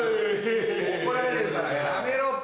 怒られるからやめろって。